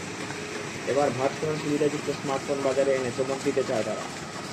এবারে ভাঁজ করার সুবিধাযুক্ত স্মার্টফোন বাজারে এনে চমকে দিতে চায় তারা।